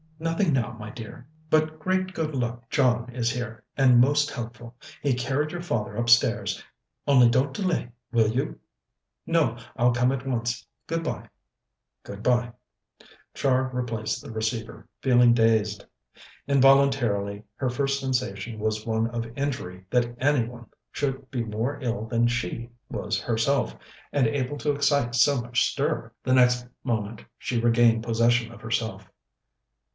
"Nothing now, my dear. By great good luck John is here, and most helpful. He carried your father upstairs. Only don't delay, will you?" "No. I'll come at once. Good bye." "Good bye." Char replaced the receiver, feeling dazed. Involuntarily her first sensation was one of injury that any one should be more ill than she was herself, and able to excite so much stir. The next moment she regained possession of herself.